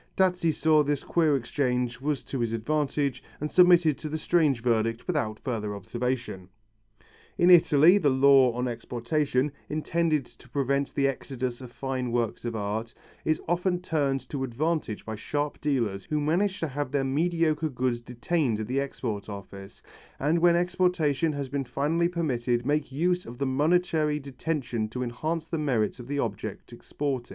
Dazzi saw that this queer exchange was to his advantage and submitted to the strange verdict without further observation. In Italy, the law on exportation, intended to prevent the exodus of fine works of art, is often turned to advantage by sharp dealers who manage to have their mediocre goods detained at the Export Office, and when exportation has been finally permitted make use of the momentary detention to enhance the merits of the object exported.